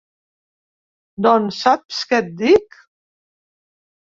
Doncs saps què et dic?